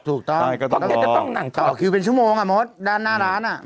ถูกต้องเพราะแกจะต้องนั่งต่อคิวเป็นชั่วโมงอ่ะมดด้านหน้าร้านอ่ะ